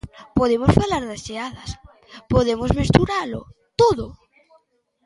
Podemos falar das xeadas, podemos mesturalo todo.